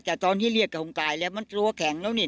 แต่ตอนที่เรียกของกายแล้วมันตัวแข็งแล้วนี่